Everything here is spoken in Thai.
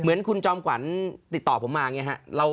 เหมือนคุณจอมกวันติดต่อผมมาไงฮะ